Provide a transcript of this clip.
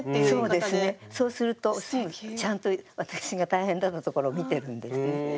そうするとちゃんと私が大変だったところを見てるんです。